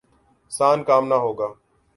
سان کام نہ ہوگا ۔